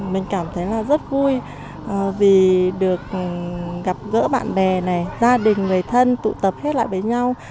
mình cảm thấy là rất vui vì được gặp gỡ bạn bè này gia đình người thân tụ tập hết lại với nhau